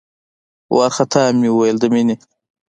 وارخطا مې وويل د مينې.